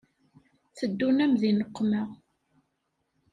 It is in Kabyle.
Teddun-am di nneqma.